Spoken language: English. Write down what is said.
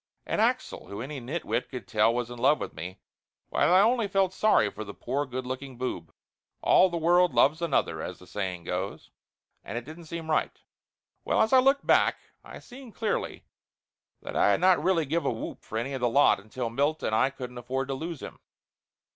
And Axel, who any nitwit could tell was in love with me, while I only felt sorry for the poor good looking boob. All the world loves another, as the old saying goes. And it didn't seem right. Well, as I looked back I seen clearly that I had not really give a whoop for any of the lot until Milt, and I couldn't afford to lose him.